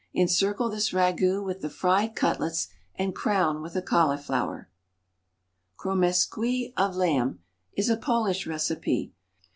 Encircle this ragout with the fried cutlets, and crown with a cauliflower. CROMESQUIS OF LAMB is a Polish recipe.